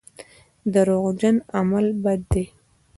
دروغجن عمل بد دی.